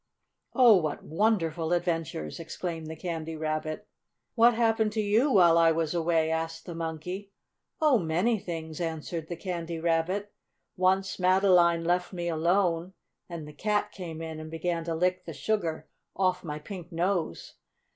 "Oh, what wonderful adventures!" exclaimed the Candy Rabbit. "What happened to you while I was away?" asked the Monkey. "Oh, many things," answered the Candy Rabbit. "Once Madeline left me alone, and the cat came in and began to lick the sugar off my pink nose.